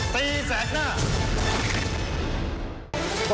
ตีแสดหน้า